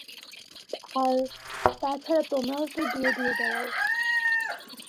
আর, তা ছাড়া তোমরাও তো দূরে দূরে বেড়াও।